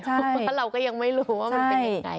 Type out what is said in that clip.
เพราะเราก็ยังไม่รู้ว่ามันเป็นยังไง